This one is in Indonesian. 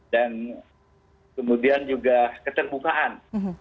dan kemudian juga keterbukaan